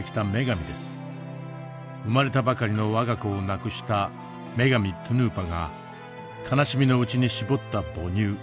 生まれたばかりの我が子をなくした女神トゥヌーパが悲しみのうちに搾った母乳。